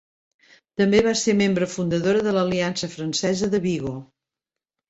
També va ser membre fundadora de l'Aliança Francesa de Vigo.